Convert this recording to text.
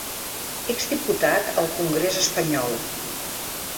Ex-diputat al congrés espanyol.